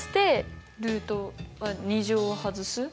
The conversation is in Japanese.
ルート２乗を外す？